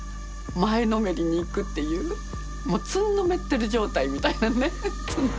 前のめりに行くっていうもうつんのめってる状態みたいなね。